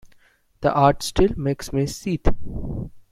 The art still makes me seethe.